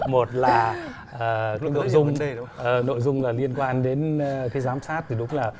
một là nội dung liên quan đến cái giám sát thì đúng là